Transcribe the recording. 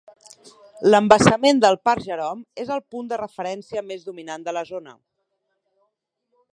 L'embassament del parc Jerome és el punt de referència més dominant de la zona.